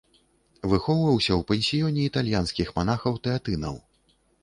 Выхоўваўся ў пансіёне італьянскіх манахаў-тэатынаў.